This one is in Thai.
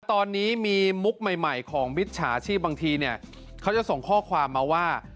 ตอนนี้มีมุกใหม่ของมิจฉาชีพบางทีเนี่ยเขาจะส่งข้อความมาว่า